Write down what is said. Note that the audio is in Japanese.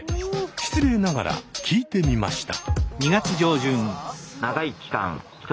失礼ながら聞いてみました。